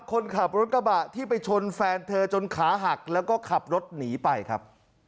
คนขับรถกระบะที่ไปชนแฟนเธอจนขาหักแล้วก็ขับรถหนีไปครับ